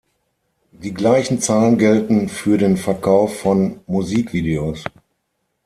Die gleichen Zahlen gelten für den Verkauf von Musikvideos.